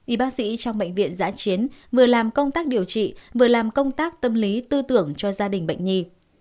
y bác sĩ trong bệnh viện giã chiến vừa làm công tác điều trị vừa làm công tác tâm lý tư tưởng cho gia đình bệnh nhi